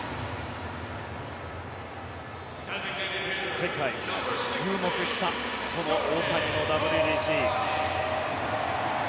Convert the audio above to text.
世界が注目したこの大谷のＷＢＣ。